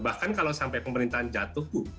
bahkan kalau sampai pemerintahan jatuh bu